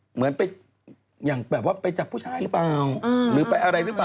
เหมือนไปอย่างแบบว่าไปจับผู้ชายหรือเปล่าหรือไปอะไรหรือเปล่า